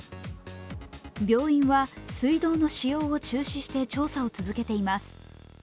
病院は水道の使用を中止して調査を続けています。